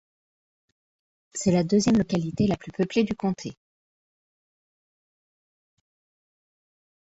C’est la deuxième localité la plus peuplée du comté.